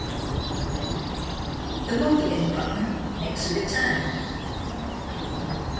The modeling button makes a return.